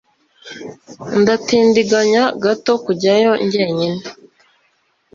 Ndatindiganya gato kujyayo njyenyine.